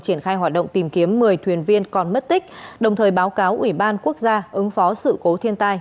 triển khai hoạt động tìm kiếm một mươi thuyền viên còn mất tích đồng thời báo cáo ủy ban quốc gia ứng phó sự cố thiên tai